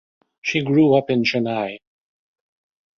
She grew up in Chennai.